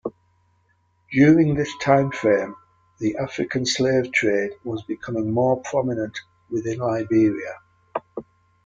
During this timeframe, the African slave trade was becoming more prominent within Liberia.